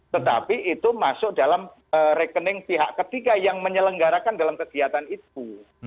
tetapi itu masuk dalam rekening pihak ketiga yang menyelenggarakan dalam kegiatan itu